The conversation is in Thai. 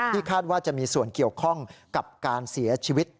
คาดว่าจะมีส่วนเกี่ยวข้องกับการเสียชีวิต